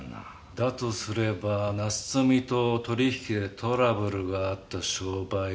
だとすればナツトミと取引でトラブルがあった商売相手。